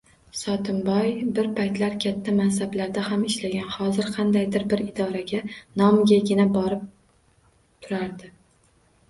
Sotimboy bir paytlar katta mansabda ham ishlagan, hozir qandaydir bir idoraga nomigagina borib turardi.